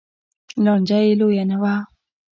لانجه یې لویه نه وه